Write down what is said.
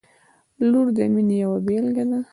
• لور د مینې یوه بېلګه ده.